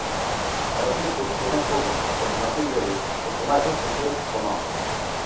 E repito que nós fomos, a continuación deles, os que máis restricións tomamos.